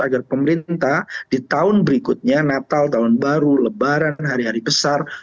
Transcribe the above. agar pemerintah di tahun berikutnya natal tahun baru lebaran hari hari besar